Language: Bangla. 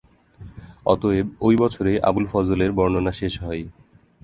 অতএব ওই বছরেই আবুল ফজলের বর্ণনা শেষ হয়।